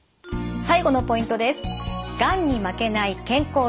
最後のポイントです。